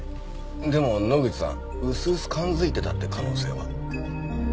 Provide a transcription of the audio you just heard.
でも野口さん薄々勘づいてたって可能性は？